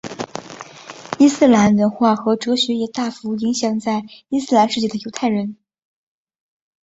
伊斯兰文化和哲学也大幅影响在伊斯兰世界的犹太人。